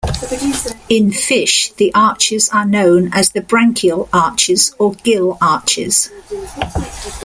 In fish the arches are known as the branchial arches or gill arches.